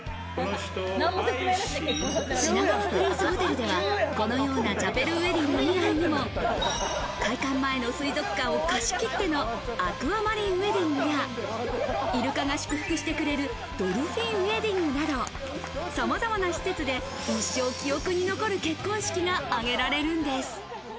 品川プリンスホテルでは、このようなチャペルウエディング以外にも、開館前の水族館を貸し切ってのアクアマリンウエディングや、イルカが祝福してくれるドルフィンウエディングなど、さまざまな施設で一生記憶に残る結婚式が挙げられるんです。